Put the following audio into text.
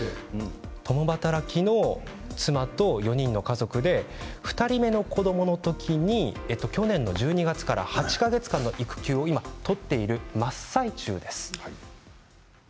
共働きの妻と４人の家族で２人目の子どもの時に、去年の１２月から８か月間育休を今取っている真っ最中です。